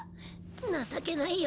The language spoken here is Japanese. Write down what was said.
情けないよ。